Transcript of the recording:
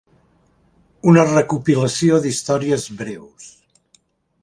Una recopilació d'històries breus.